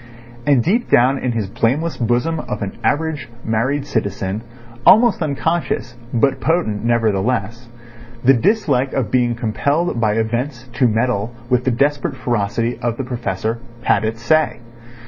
And deep down in his blameless bosom of an average married citizen, almost unconscious but potent nevertheless, the dislike of being compelled by events to meddle with the desperate ferocity of the Professor had its say.